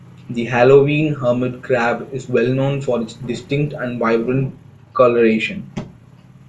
The halloween hermit crab is well known for its distinct and vibrant coloration.